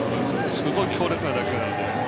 すごい強烈な打球なので。